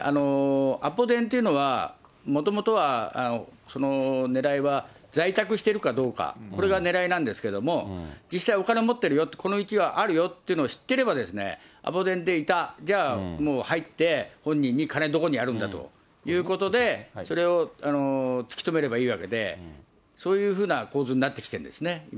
アポ電というのは、もともとは、そのねらいは、在宅しているかどうか、これがねらいなんですけども、実際、お金を持ってるよ、このうちはあるよっていうのを知っていれば、アポ電でいた、じゃあ、もう入って本人に金どこにあるんだということで、それを突き止めればいいわけで、そういうふうな構図になってきてるんですね、今。